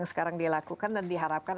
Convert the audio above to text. sekarang dilakukan dan diharapkan